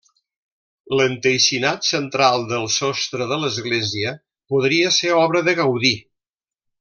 L'enteixinat central del sostre de l'església podria ser obra de Gaudí.